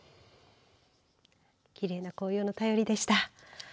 きれいな紅葉の便りでした。